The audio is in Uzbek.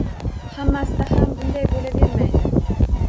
Hammasida ham bunday bo’lavermaydi